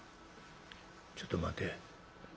「ちょっと待て。